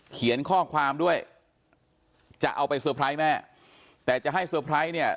เขียนข้อความด้วยจะเอาไปแม่แต่จะให้เนี่ย